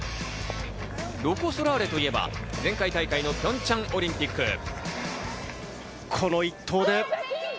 ロコ・ソラーレといえば前回大会のピョンチャンオリンピック。